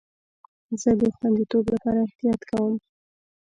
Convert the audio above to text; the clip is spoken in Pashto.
زه د خوندیتوب لپاره احتیاط کوم.